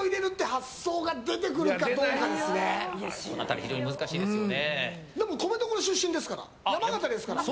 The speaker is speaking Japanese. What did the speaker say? この辺り非常に難しいですよね。